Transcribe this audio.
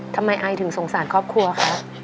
ทำไมไอถึงสงสารครอบครัวคะ